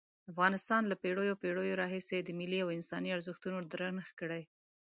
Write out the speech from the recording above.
افغانستان له پېړیو پېړیو راهیسې د ملي او انساني ارزښتونو درنښت کړی.